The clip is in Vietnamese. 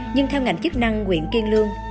nhưng theo ngành chức năng huyện kiên lương